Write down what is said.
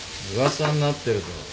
噂になってるぞ。